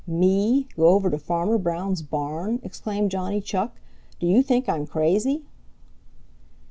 "Me go over to Farmer Brown's barn!" exclaimed Johnny Chuck. "Do you think I'm crazy?"